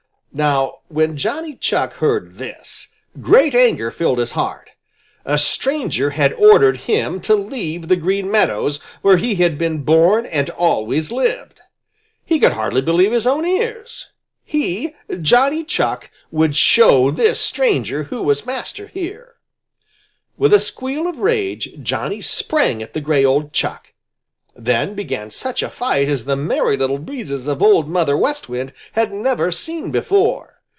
Now when Johnny Chuck heard this, great anger filled his heart. A stranger had ordered him to leave the Green Meadows where he had been born and always lived! He could hardly believe his own ears. He, Johnny Chuck, would show this stranger who was master here! With a squeal of rage, Johnny sprang at the gray old Chuck. Then began such a fight as the Merry Little Breezes of Old Mother West Wind had never seen before.